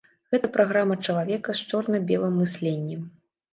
Гэта праграма чалавека з чорна-белым мысленнем.